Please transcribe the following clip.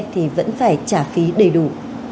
thì vẫn phải trả phí đầy đủ